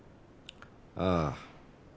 ああ。